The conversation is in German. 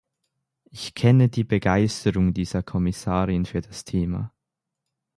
Ich kenne die Begeisterung dieser Kommissarin für das Thema.